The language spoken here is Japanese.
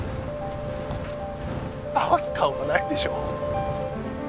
合わす顔がないでしょ